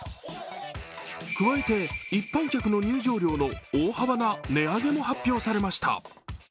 加えて一般客の入場料の大幅な値上げも発表されました。